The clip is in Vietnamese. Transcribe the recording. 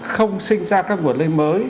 không sinh ra các nguồn lây mới